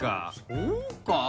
そうか？